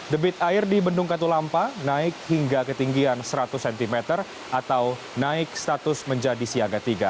debit air di bendung katulampa naik hingga ketinggian seratus cm atau naik status menjadi siaga tiga